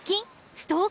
ストーカー？